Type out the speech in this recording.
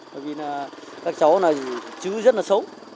bởi vì là các cháu này chứ rất là sống